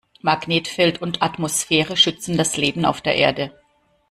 Magnetfeld und Atmosphäre schützen das Leben auf der Erde.